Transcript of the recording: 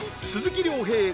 ［鈴木亮平。